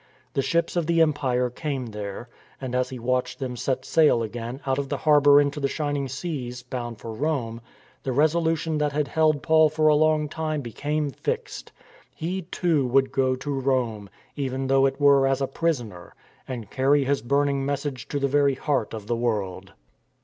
The ships of the empire came there, and as he watched them set sail again out of the harbour into the shining seas, bound for Rome, the resolution that had held Paul for a long time became fixed. He, too, would go to Rome, even though it were as a prisoner; and carry his burning message to the very heart of the world.